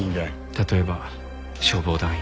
例えば消防団員。